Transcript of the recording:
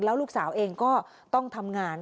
แล้วลูกสาวเองก็ต้องทำงาน